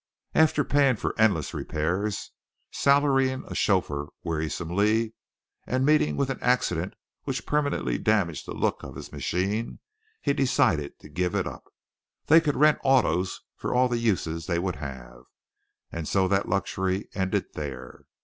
After paying for endless repairs, salarying a chauffeur wearisomely, and meeting with an accident which permanently damaged the looks of his machine, he decided to give it up. They could rent autos for all the uses they would have. And so that luxury ended there.